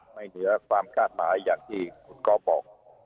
เหนือความคาดหมายอย่างที่คุณก๊อฟบอก